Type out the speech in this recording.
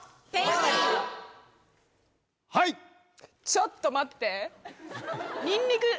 ちょっと待って。